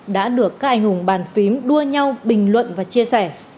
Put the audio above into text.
đã được các anh hùng bàn phím đua nhau bình luận và chia sẻ